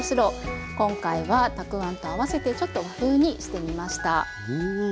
今回はたくあんと合わせてちょっと和風にしてみました。